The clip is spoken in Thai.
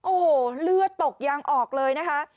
โอ้โหเลือดตกยางออกเลยนะคะ